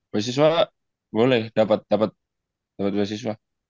beasiswa boleh dapat beasiswa